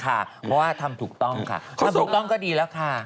เพราะว่าทำถูกต้องค่ะทำถูกต้องก็ดีแล้วค่ะ